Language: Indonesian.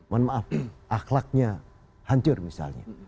mohon maaf akhlaknya hancur misalnya